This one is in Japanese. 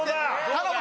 頼む！